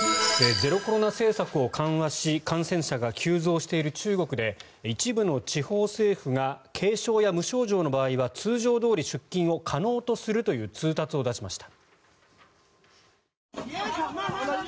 ゼロコロナ政策を緩和し感染者が急増している中国で一部の地方政府が軽症や無症状の場合は通常どおり出勤を可能とするという通達を出しました。